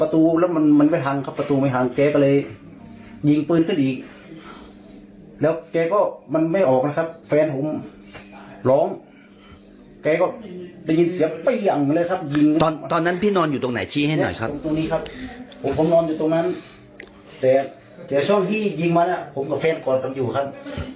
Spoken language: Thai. ตอนนั้นพี่นอนอยู่ตรงไหนชี้ให้หน่อยครับ